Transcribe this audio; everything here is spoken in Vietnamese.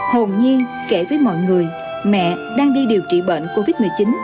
hồn nhiên kể với mọi người mẹ đang đi điều trị bệnh covid một mươi chín